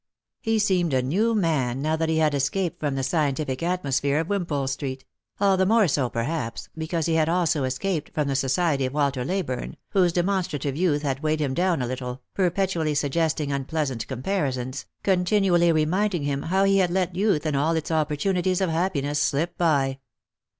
He seemed a new man now that he had escaped from the scien tific atmosphere of Wimpole street; all the more so, perhaps, because he had also escaped from the society of Walter Ley burne, whose demonstrative youth had weighed him down a little, perpetually suggesting unpleasant comparisons, continu ally reminding him how he had let youth and all its opportu nities of happiness slip by.